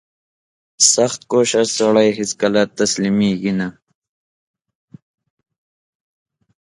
• سختکوش سړی هیڅکله تسلیمېږي نه.